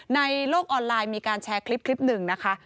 ในโลกออนไลน์มีการแชร์คลิปหนึ่งนะคะ